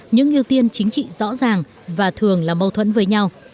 những ưu tiên chính trị rõ ràng và thường là mâu thuẫn với nhau